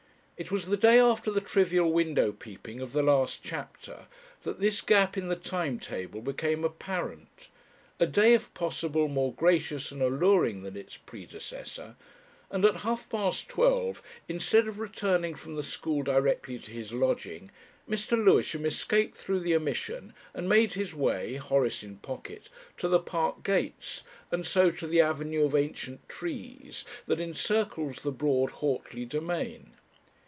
It was the day after the trivial window peeping of the last chapter that this gap in the time table became apparent, a day if possible more gracious and alluring than its predecessor, and at half past twelve, instead of returning from the school directly to his lodging, Mr. Lewisham escaped through the omission and made his way Horace in pocket to the park gates and so to the avenue of ancient trees that encircles the broad Whortley domain.